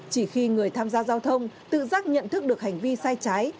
chỉ khi người tham gia giao thông tự giác nhận thức được hành vi sai trái